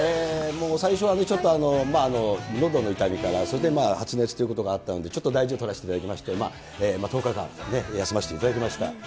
もう最初はね、ちょっとのどの痛みから、それで発熱ということがあったので、ちょっと大事を取らせていただきまして、１０日間休ませていただきました。